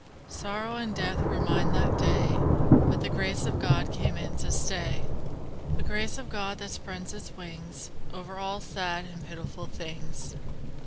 Sorrow and death were mine that day, But the Grace of God came in to stay; The Grace of God that spread its wings Over all sad and pitiful things.